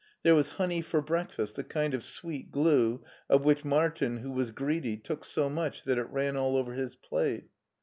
There was honey for breakfast, a kind of sweet glue, of which Martin, who was greedy, took so much that it ran all over his plate.